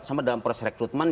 sama dalam proses rekrutmen